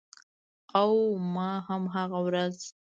او ما هم هغه ورځ